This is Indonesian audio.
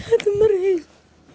saya ingin ketemu mereka